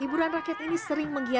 hiburan rakyat ini sering menghias